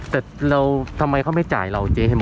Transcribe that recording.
แล้วทำไมเขาไม่จ่ายเราเจ๊